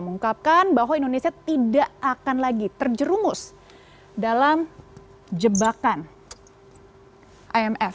mengungkapkan bahwa indonesia tidak akan lagi terjerumus dalam jebakan imf